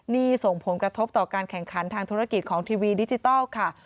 นี่ส่งผลกระทบต่อการแข่งขันทางธุรกิจของทีวีดิจิทัลค่ะ